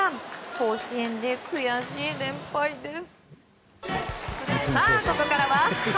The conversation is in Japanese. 甲子園で悔しい連敗です。